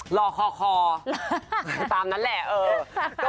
รอคอตามนั้นแหละ